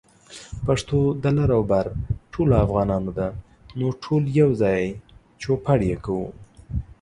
پښتو د لر او بر ټولو افغانانو ده، نو ټول يوځای چوپړ يې کوو